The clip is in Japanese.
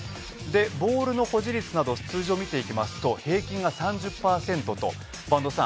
ボールの保持率など数字を見ていきますと平均が３０％と、播戸さん